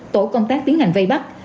tổ công tác tiến hành vây bắt